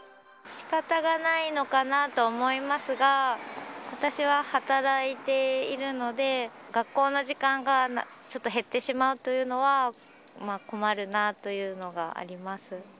しかたがないのかなと思いますが、私は働いているので、学校の時間がちょっと減ってしまうというのは、困るなあというのがあります。